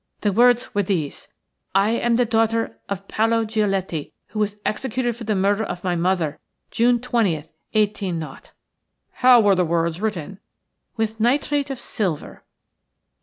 "The words were these:– "'I AM THE DAUGHTER OF PAOLO GIOLETTI, WHO WAS EXECUTED FOR THE MURDER OF MY MOTHER, JUNE 20TH, 18—.'" "How were the words written?" "With nitrate of silver."